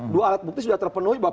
dua alat bukti sudah terpenuhi